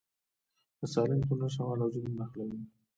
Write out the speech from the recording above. د سالنګ تونل شمال او جنوب نښلوي